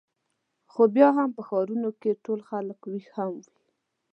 خو بیا هم په ښارونو کې چې ټول خلک وېښ هم وي.